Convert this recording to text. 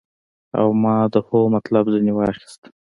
او ما د هو مطلب ځنې واخيست.